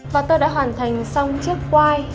và tôi đã hoàn thành xong chiếc quai